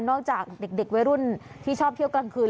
จากเด็กวัยรุ่นที่ชอบเที่ยวกลางคืน